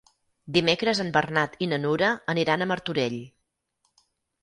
Dimecres en Bernat i na Nura aniran a Martorell.